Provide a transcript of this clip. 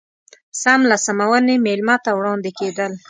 سم له سمونې مېلمه ته وړاندې کېدل.